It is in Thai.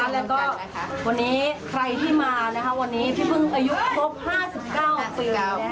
แล้วก็วันนี้ใครที่มาวันนี้พี่พึ่งอายุครบ๕๙ปี